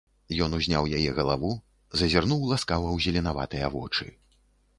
Ён узняў яе галаву, зазірнуў ласкава ў зеленаватыя вочы.